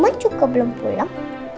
mama juga belum pulang